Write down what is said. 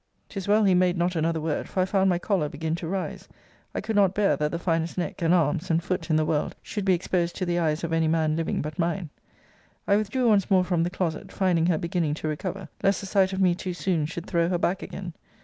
'Tis well he made not another word: for I found my choler begin to rise. I could not bear, that the finest neck, and arms, and foot, in the world, should be exposed to the eyes of any man living but mine. I withdrew once more from the closet, finding her beginning to recover, lest the sight of me too soon should throw her back again.